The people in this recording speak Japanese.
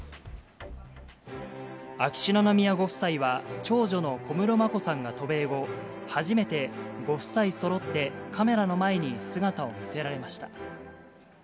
秋篠宮ご夫妻は、長女の小室眞子さんが渡米後、初めてご夫妻そろってカメラの前に姿を見せられました。